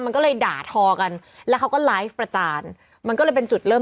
มันก็เลยด่าทอกันแล้วเขาก็ไลฟ์ประจานมันก็เลยเป็นจุดเริ่ม